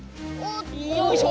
よいしょ！